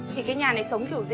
thì cái nhà này sống kiểu gì